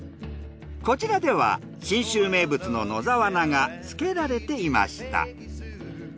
こちらでは信州名物の野沢菜が漬けられていました。